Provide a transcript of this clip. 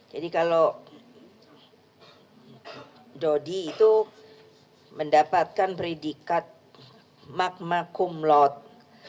jadi kalau dodi itu mendapatkan predikat magma cum laude